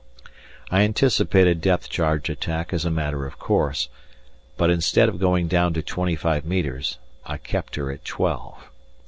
I anticipated depth charge attack as a matter of course, but instead of going down to twenty five metres, I kept her at twelve.